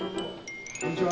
こんにちは。